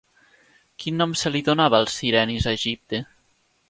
Quin nom se li donava als sirenis a Egipte?